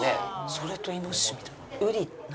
それとイノシシみたいな。